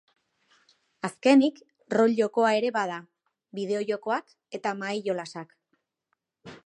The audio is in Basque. Azkenik rol jokoa ere bada, bideojokoak eta mahai jolasak.